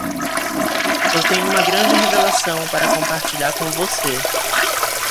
Eu tenho uma grande revelação para compartilhar com você.